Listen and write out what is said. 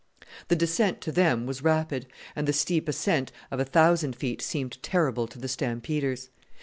The descent to them was rapid, and the steep ascent of a thousand feet seemed terrible to the stampeders.